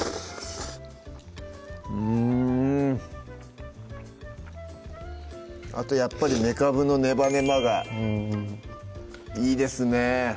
うんあとやっぱりめかぶのねばねばがうんいいですね